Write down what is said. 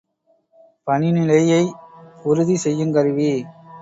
பனிநிலையை உறுதி செய்யுங் கருவி.